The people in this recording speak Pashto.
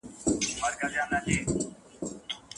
د خالق په انتظار کې يې ويده کړم